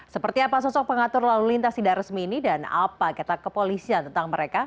seperti apa sosok pengatur lalu lintas tidak resmi ini dan apa kata kepolisian tentang mereka